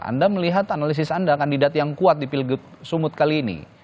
anda melihat analisis anda kandidat yang kuat di pilgub sumut kali ini